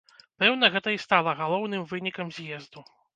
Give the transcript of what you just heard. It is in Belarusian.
Пэўна, гэта і стала галоўным вынікам з'езду.